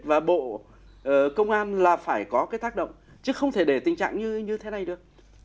và bộ công an là phải có cái tác động chứ không thể để tình trạng như thế này được